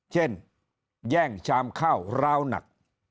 แย่งชามข้าวร้าวหนัก